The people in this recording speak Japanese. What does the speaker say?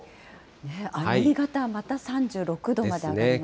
新潟はまた３６度まで上がりますね。